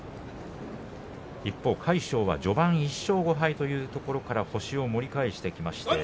一方、魁勝は序盤１勝５敗というところから星を盛り返してきました。